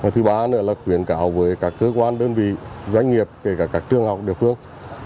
thứ ba nữa là khuyến cáo với các cơ quan đơn vị doanh nghiệp kể cả các trường học địa phương